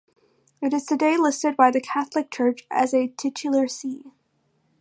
It is today listed by the Catholic Church as a titular see.